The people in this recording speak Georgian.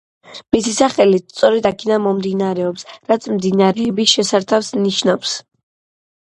მისი სახელიც სწორედ აქედან მომდინარეობს, რაც მდინარეების შესართავს ნიშნავს.